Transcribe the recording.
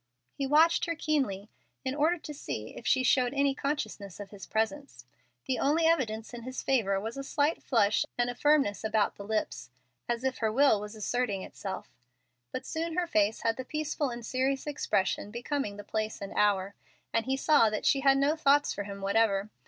He watched her keenly, in order to see if she showed any consciousness of his presence. The only evidence in his favor was a slight flush and a firmness about the lips, as if her will was asserting itself. But soon her face had the peaceful and serious expression becoming the place and hour, and he saw that she had no thoughts for him whatever.